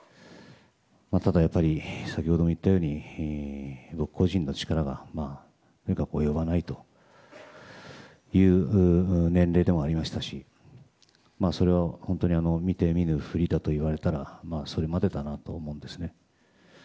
ただ、やっぱり先ほども言ったように僕個人の力が及ばないという年齢でもありましたしそれは本当に見て見ぬふりだと言われたらそれまでだなと思うんですね。